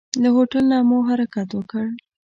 له هوټل نه مو حرکت وکړ.